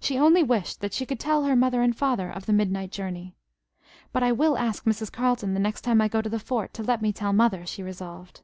She only wished that she could tell her mother and father of the midnight journey. "But I will ask Mrs. Carleton the next time I go to the fort to let me tell Mother," she resolved.